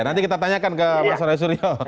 nanti kita tanyakan ke mas roy suryo